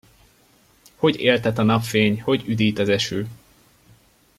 Hogy éltet a napfény, hogy üdít az eső!